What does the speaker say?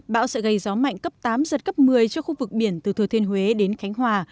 bão sẽ gây gió mạnh cấp tám giật cấp một mươi cho khu vực biển từ thừa thiên huế đến khánh hòa